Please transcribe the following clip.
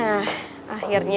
yah gak ada sinyal